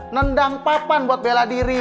nendang papan buat bela diri